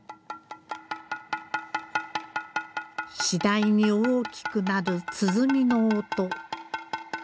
次第に大きくなる鼓の音。